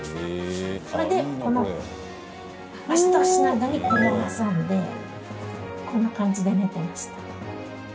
それで、この足と足の間にこれを挟んでこんな感じで寝てました。